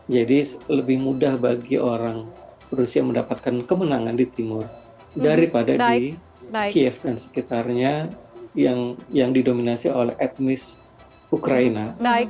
jadi lebih mudah bagi orang rusia mendapatkan kemenangan di timur daripada di kiev dan sekitarnya yang didominasi oleh etnis ukraina